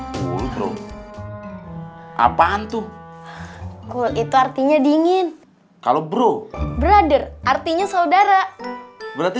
cool bro apaan tuh cool itu artinya dingin kalau bro brother artinya saudara berarti